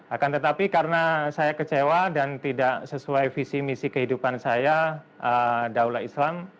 akan tetapi karena saya kecewa dan tidak sesuai visi misi kehidupan saya daulah islam